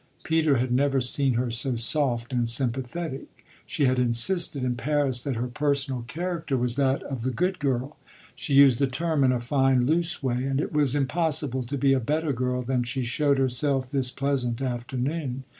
Peter had never seen her so soft and sympathetic; she had insisted in Paris that her personal character was that of the good girl she used the term in a fine loose way and it was impossible to be a better girl than she showed herself this pleasant afternoon.